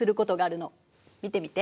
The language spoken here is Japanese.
見てみて。